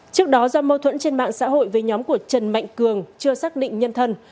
trước đó do mâu thuẫn trên mạng xã hội với nhóm của trần mạnh cường chưa xác định nhân thân